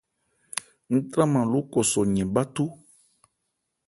Ń tranman ló kɔ́sɔ yɛn bháthó.